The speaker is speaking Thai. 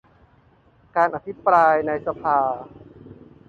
การอภิปราย ในสภา